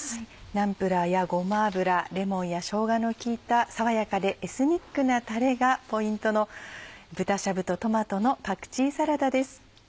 ナンプラーやごま油レモンやしょうがの効いた爽やかでエスニックなタレがポイントの豚しゃぶとトマトのパクチーサラダです。